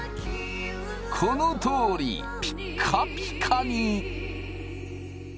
このとおりピッカピカに！